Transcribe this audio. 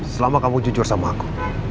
selama kamu jujur sama aku